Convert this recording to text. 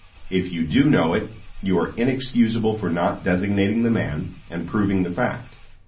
If you do know it, you are inexcusable for not designating the man and proving the fact.